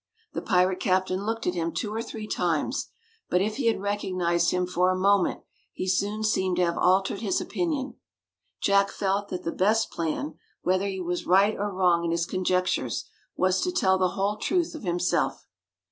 The pirate captain looked at him two or three times, but if he had recognised him for a moment, he soon seemed to have altered his opinion. Jack felt that the best plan, whether he was right or wrong in his conjectures, was to tell the whole truth of himself.